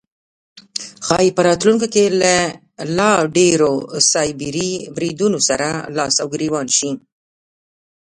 ښایي په راتلونکی کې له لا ډیرو سایبري بریدونو سره لاس او ګریوان شي